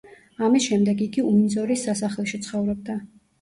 ამის შემდეგ იგი უინძორის სასახლეში ცხოვრობდა.